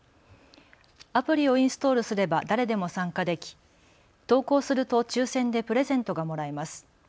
アプリをインストールすれば誰でも参加でき投稿すると抽せんでプレゼントがもらえます。